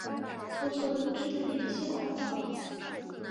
我所不知的联系管道